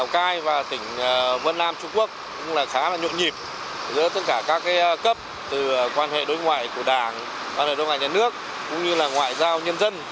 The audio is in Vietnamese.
giữa tất cả các cấp từ quan hệ đối ngoại của đảng quan hệ đối ngoại nhà nước cũng như là ngoại giao nhân dân